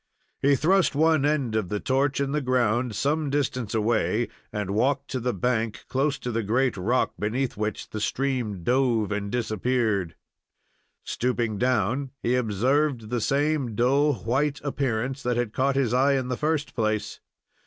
He thrust one end of the torch in the ground some distance away, and walked to the bank close to the great rock beneath which the stream dove and disappeared. Stooping down, he observed the same dull, white appearance that had caught his eye in the first place.